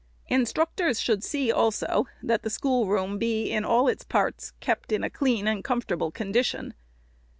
" Instructors should see, also, that the schoolroom be, in all its parts, kept in a clean and comfortable condition.